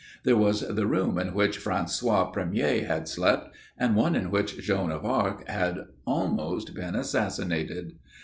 There was the room in which François Premier had slept, and one in which Joan of Arc had almost been assassinated.